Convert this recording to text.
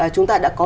chúng ta đã có